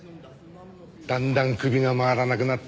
だんだん首が回らなくなって。